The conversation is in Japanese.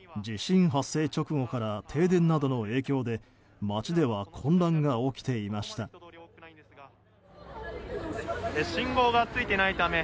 地震発生直後から停電などの影響で街では混乱が起きていました。